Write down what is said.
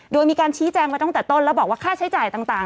โดยมีการชี้แจงมาตั้งแต่ต้นแล้วบอกว่าค่าใช้จ่ายต่าง